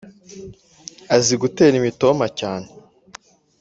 azi gutera imitoma cyane